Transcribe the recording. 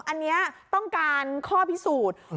อันนี้ต้องการข้อพิสูจน์